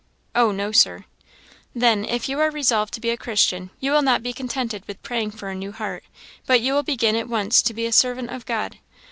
"Oh no, Sir." "Then, if you are resolved to be a Christian, you will not be contented with praying for a new heart, but you will begin at once to be a servant of God.